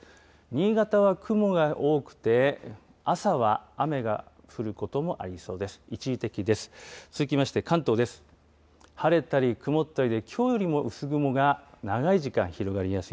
新潟は雲が多くて、朝は雨が降ることもありそうです。